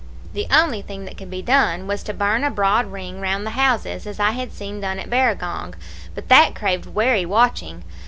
The only thing that could be done was to burn a broad ring round the houses, as I had seen done at Barragong; but that craved wary watching.